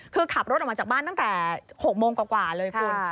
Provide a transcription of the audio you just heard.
คือขับรถออกมาจากบ้านตั้งแต่๖โมงกว่าเลยคุณ